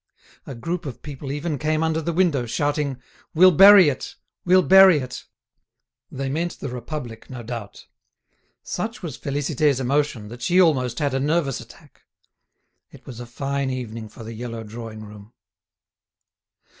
A group of people even came under the window shouting: "We'll bury it, we'll bury it." They meant the Republic, no doubt. Such was Félicité's emotion, that she almost had a nervous attack. It was a fine evening for the yellow drawing room.